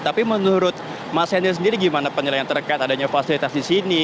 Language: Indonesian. tapi menurut mas henry sendiri gimana penilaian terkait adanya fasilitas di sini